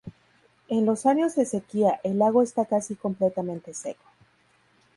En los años de sequía, el lago está casi completamente seco.